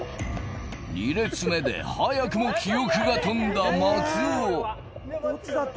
２列目で早くも記憶が飛んだ松尾どっちだった！？